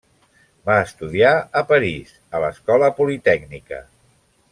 Va estudiar a París a l'Escola Politècnica.